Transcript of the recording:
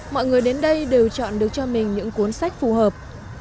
mọi người đến đây đều chọn được cho mình những cuốn sách phù hợp